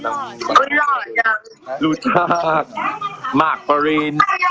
หลุดหล่อจังมากปรารีน